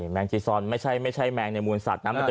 แมงจีซอนไม่ใช่แมงในมูลสัตว์นะ